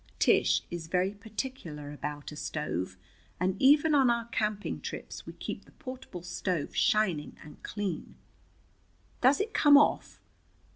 Tish is very particular about a stove, and even on our camping trips we keep the portable stove shining and clean. "Does it come off?"